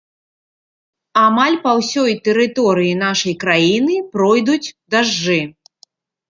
Амаль па ўсёй тэрыторыі нашай краіны пройдуць дажджы.